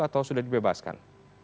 atau sudah dibebaskan